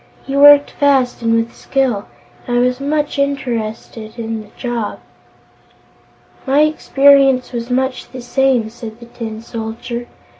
He worked fast and with skill, and I was much interested in the job." "My experience was much the same," said the Tin Soldier.